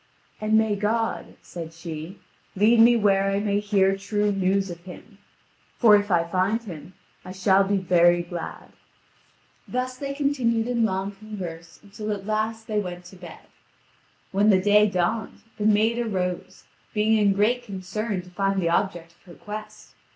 "And may God," said she, "lead me where I may hear true news of him. For if I find him, I shall be very glad." (Vv. 4929 4964.) Thus they continued in long converse until at last they went to bed. When the day dawned, the maid arose, being in great concern to find the object of her quest.